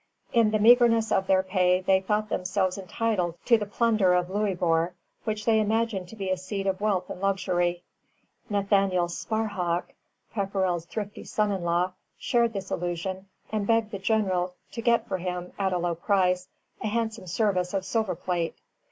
In the meagreness of their pay they thought themselves entitled to the plunder of Louisbourg, which they imagined to be a seat of wealth and luxury. Nathaniel Sparhawk, Pepperrell's thrifty son in law, shared this illusion, and begged the General to get for him (at a low price) a handsome service of silver plate.